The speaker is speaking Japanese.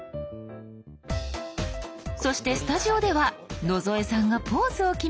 そしてスタジオでは野添さんがポーズを決めて。